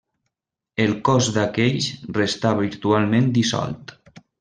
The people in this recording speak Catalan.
El cos d'aquells restà virtualment dissolt.